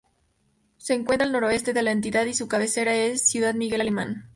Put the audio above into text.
Se encuentra al noroeste de la entidad y su cabecera es Ciudad Miguel Alemán.